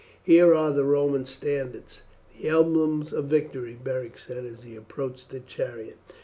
"Here are the Roman standards, the emblems of victory," Beric said as he approached the chariot.